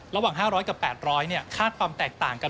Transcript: ระหว่าง๕๐๐กับ๘๐๐คาดความแตกต่างกัน